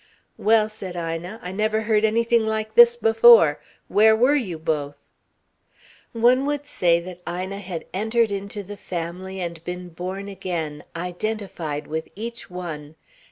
"Well," said Ina, "I never heard anything like this before. Where were you both?" One would say that Ina had entered into the family and been born again, identified with each one.